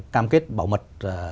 cam kết bảo mật